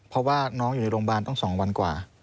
เพราะว่าน้องอยู่ดวงบ้านต้อง๒วันกว่า